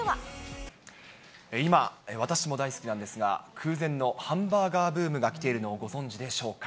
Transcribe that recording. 今、私も大好きなんですが、空前のハンバーガーブームがきているのをご存じでしょうか。